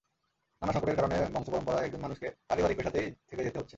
নানা সংকটের কারণে বংশপরম্পরায় একজন মানুষকে পারিবারিক পেশাতেই থেকে যেতে হচ্ছে।